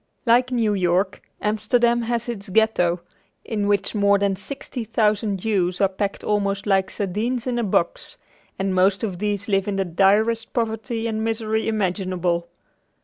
Like New York, Amsterdam has its Ghetto, in which more than sixty thousand Jews are packed almost like sardines in a box, and most of these live in the direst poverty and misery imaginable.